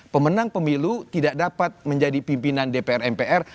pemenang pemilu tidak dapat menjadi pimpinan dpr mpr